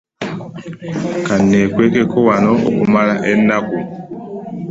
Ka nnekwekeko wano okumala ennaku.